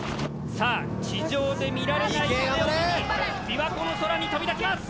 さあ地上で見られない夢を抱き琵琶湖の空に飛び立ちます！